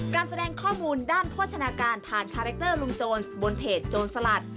การแสดงข้อมูลด้านโภชนาการผ่านคาแรคเตอร์ลุงโจรบนเพจโจรสลัด